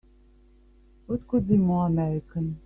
What could be more American!